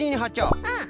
うん。